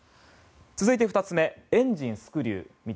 続いて２つ目エンジン、スクリュー。